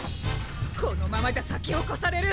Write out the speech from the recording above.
このままじゃさきをこされる！